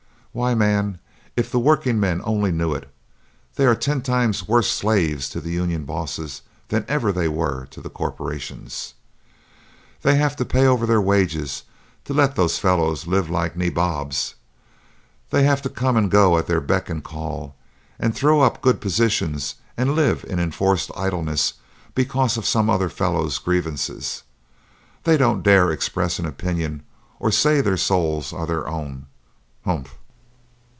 Why, man, if the workingmen only knew it, they are ten times worse slaves to the union bosses than ever they were to corporations. They have to pay over their wages to let those fellows live like nabobs; they have to come and go at their beck and call, and throw up good positions and live in enforced idleness because of some other fellows' grievances; they don't dare express an opinion or say their souls are their own. Humph!"